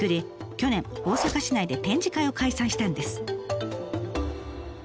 去年大阪市内で展示会を開催したんです。